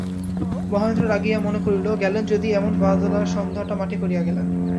মহেন্দ্র রাগিয়া মনে করিল, গেলেন যদি, এমন বাদলার সন্ধ্যাটা মাটি করিয়া গেলেন।